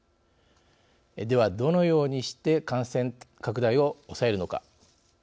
ではどのようにして感染拡大を抑えるのか。